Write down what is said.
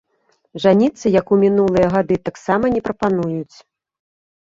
Жаніцца, як у мінулыя гады, таксама не прапануюць.